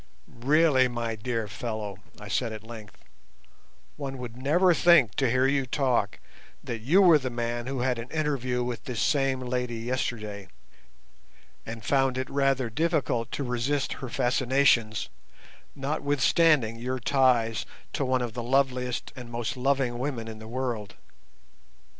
"Really, my dear fellow," I said at length, "one would never think, to hear you talk, that you were the man who had an interview with this same lady yesterday, and found it rather difficult to resist her fascinations, notwithstanding your ties to one of the loveliest and most loving women in the world.